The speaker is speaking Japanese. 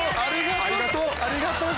ありがとう！